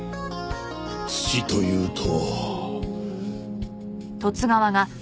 土というと。